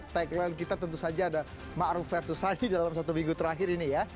tagline kita tentu saja ada ma'ruf versus sani dalam satu minggu terakhir ini ya